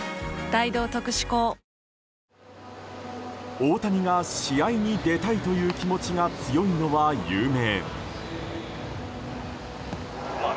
大谷が試合に出たいという気持ちが強いのは有名。